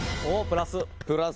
プラス！